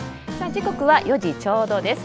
時刻は４時ちょうどです。